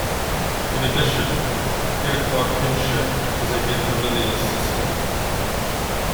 In addition, Iroquois kinship is a matrilineal system.